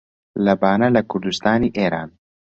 لە بانە لە کوردستانی ئێران